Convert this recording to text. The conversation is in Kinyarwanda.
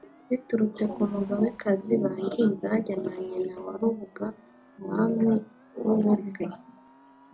biturutse ku Mugabekazi Banginzage nyina wa Rubuga Umwami w’u Bungwe